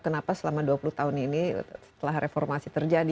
kenapa selama dua puluh tahun ini setelah reformasi terjadi